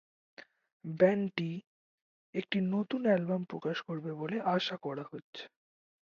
ব্যান্ডটি একটি নতুন অ্যালবাম প্রকাশ করবে বলে আশা করা হচ্ছে।